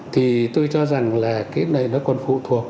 thì tôi cho rằng là cái này nó còn phụ thuộc